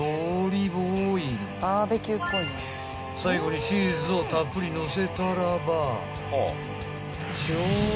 ［最後にチーズをたっぷりのせたらば］